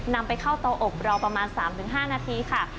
นำไปเข้าเตาอบเราประมาณ๓๕นาทีค่ะ